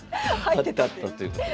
貼ってあったということで。